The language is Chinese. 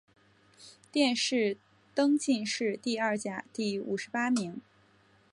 殿试登进士第二甲第五十八名。